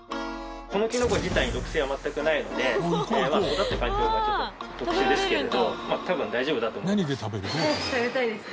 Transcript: このキノコ自体に毒性は全くないので育った環境がちょっと特殊ですけれど多分大丈夫だと思います。